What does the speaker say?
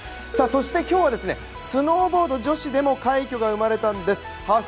そして今日は、スノーボード女子でも快挙が生まれたんです。